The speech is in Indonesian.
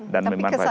dan memanfaatkan itu